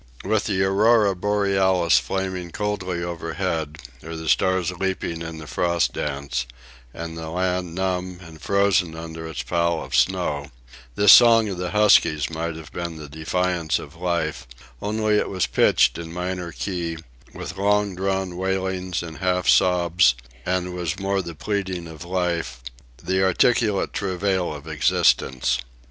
With the aurora borealis flaming coldly overhead, or the stars leaping in the frost dance, and the land numb and frozen under its pall of snow, this song of the huskies might have been the defiance of life, only it was pitched in minor key, with long drawn wailings and half sobs, and was more the pleading of life, the articulate travail of existence.